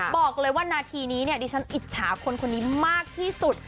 บอกเลยว่านาทีนี้เนี่ยดิฉันอิจฉาคนคนนี้มากที่สุด